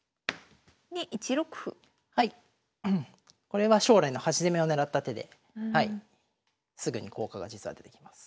これは将来の端攻めを狙った手ですぐに効果が実は出てきます。